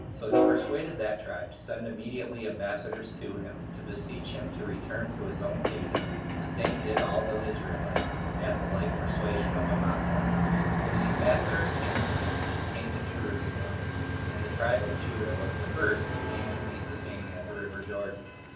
So he persuaded that tribe to send immediately ambassadors to him, to beseech him to return to his own kingdom. The same did all the Israelites, at the like persuasion of Amasa. 2. When the ambassadors came to him, he came to Jerusalem; and the tribe of Judah was the first that came to meet the king at the river Jordan.